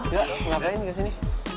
ya ngapain di sini